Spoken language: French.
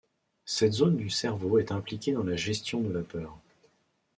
Cette zone du cerveau est impliquée dans la gestion de la peur.